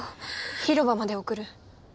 広場まで送る。